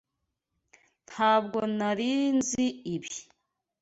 Ntabwo nari nzi ibi.